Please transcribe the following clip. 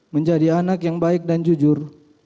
menjadi anak yang baik dan jujur